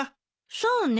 そうね。